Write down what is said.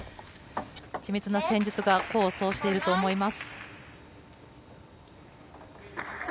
緻密な戦術が功を奏していると思います。